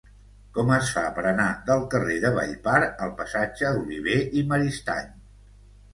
Com es fa per anar del carrer de Vallpar al passatge d'Olivé i Maristany?